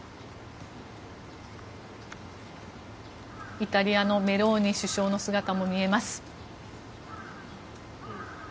イタリアのメローニ首相の姿も見えます。